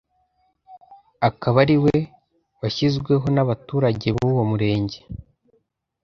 akaba ariwe washyizweho n’abaturage buwo murenge